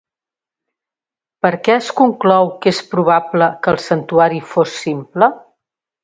Per què es conclou que és probable que el santuari fos simple?